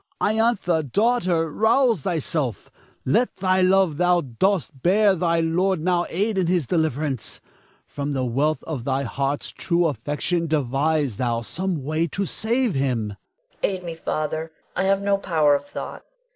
Iantha, daughter, rouse thyself; let the love thou dost bear thy lord now aid in his deliverance. From the wealth of thy heart's true affection, devise thou some way to save him. Iantha. Aid me, Father; I have no power of thought.